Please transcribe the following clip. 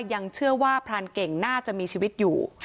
ยังเชื่อว่าพรานเก่งน่าจะมีชีวิตอยู่